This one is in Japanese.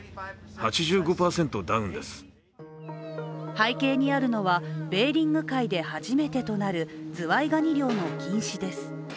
背景にあるのはベーリング海で初めてとなるズワイガニ漁の禁止です。